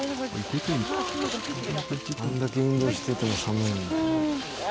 「あんだけ運動してても寒いんだ」